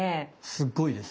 すっごいですね。